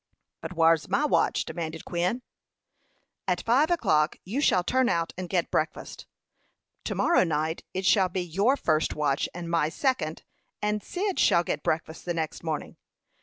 "But whar's my watch?" demanded Quin. "At five o'clock you shall turn out and get breakfast. To morrow night it shall be your first watch, and my second, and Cyd shall get breakfast the next morning.